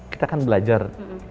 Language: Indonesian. kita kan belajar